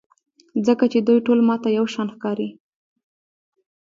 ځکه چې دوی ټول ماته یوشان ښکاري.